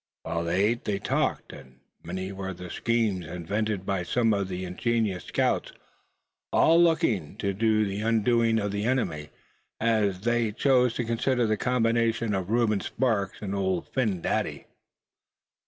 While they ate they talked, and many were the schemes invented by some of the ingenious scouts, all looking to the undoing of the enemy, as they chose to consider the combination of Reuben Sparks and Old Phin Dady.